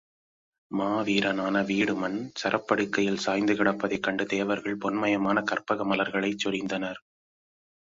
மா வீரனான வீடுமன் சரப்படுக்கையில் சாய்ந்து கிடப்பதைக் கண்டு தேவர்கள் பொன் மயமான கற்பக மலர்களைச் சொரிந்தனர்.